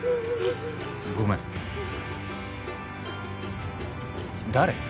ごめん誰？